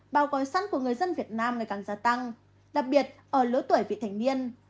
bao gói sẵn của người dân việt nam ngày càng gia tăng đặc biệt ở lứa tuổi vị thành niên